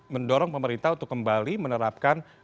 mendorong pemerintah untuk kembali menerapkan